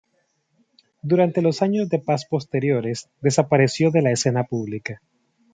Durante los años de paz posteriores desapareció de la escena pública.